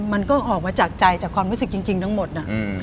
มันก็ออกมาจากใจจากความรู้สึกจริงทั้งหมดนะ